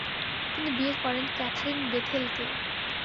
তিনি বিয়ে করেন ক্যাথারিন বেথেলকে।